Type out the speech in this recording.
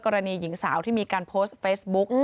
กรณีหญิงสาวที่มีการโพสต์เฟซบุ๊ก